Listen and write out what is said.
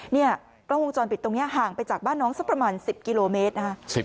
กล้องวงจรปิดตรงนี้ห่างไปจากบ้านน้องสักประมาณ๑๐กิโลเมตรนะคะ